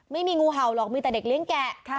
ไม่มีงูเห่าหรอกมีแต่เด็กเลี้ยงแกะ